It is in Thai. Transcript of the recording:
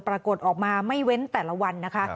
ปรากฏออกมาไม่เว้นแต่ละวันนะคะ